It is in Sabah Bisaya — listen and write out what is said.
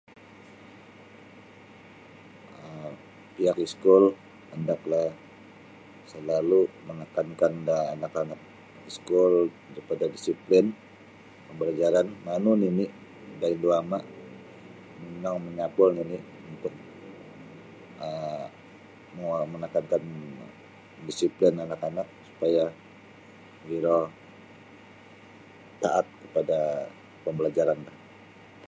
um Pihak iskul hendaklah selalu menekankan da anak-anak iskul daripada disiplin pembelajaran manu nini da indu ama mimang manyapul nini untuk um monguo menekankan disiplin anak-anak supaya iro taat kepada pembelajaran do.